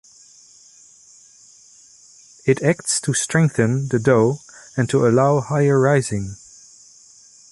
It acts to strengthen the dough and to allow higher rising.